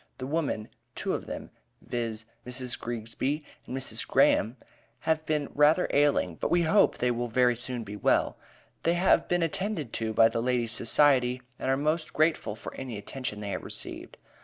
The women, two of them, viz: Mrs. Greegsby and Mrs. Graham, have been rather ailing, but we hope they will very soon be well. They have been attended to by the Ladies' Society, and are most grateful for any attention they have received.